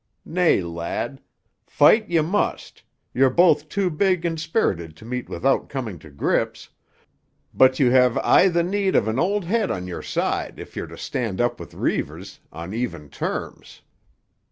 Nay, lad! Fight ye must; you're both too big and spirited to meet without coming to grips; but you have aye the need of an old head on your side if you're to stand up with Reivers on even terms.